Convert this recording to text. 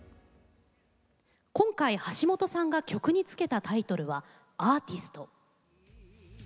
今回、橋本さんが曲につけたタイトルは「アーティスト」。